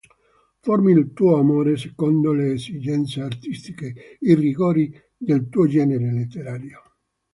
Formi il tuo amore secondo le esigenze artistiche, i rigori del tuo genere letterario.